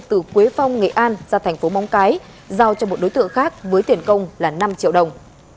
từ quế phong nghệ an ra thành phố móng cái giao cho một đối tượng khác với tiền công là năm triệu đồng